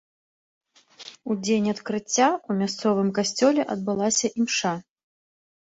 У дзень адкрыцця ў мясцовым касцёле адбылася імша.